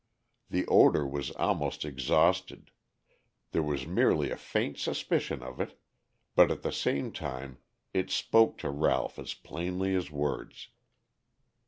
The odor was almost exhausted; there was merely a faint suspicion of it, but at the same time it spoke to Ralph as plainly as words.